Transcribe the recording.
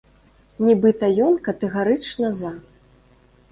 Нібыта ён катэгарычна за.